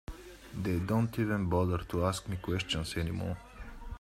They don't even bother to ask me questions any more.